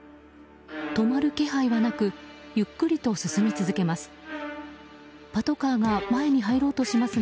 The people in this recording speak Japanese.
止まる気配はなくゆっくりと進み続けます。